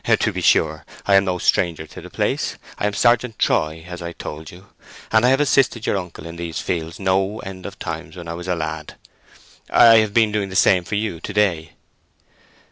To be sure I am no stranger to the place—I am Sergeant Troy, as I told you, and I have assisted your uncle in these fields no end of times when I was a lad. I have been doing the same for you to day."